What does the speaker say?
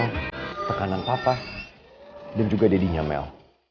gue bisa lepas dari tekanan papa dan juga dadinya mel